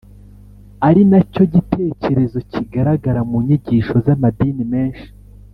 ari na cyo gitekerezo kigaragara mu nyigisho z’amadini menshi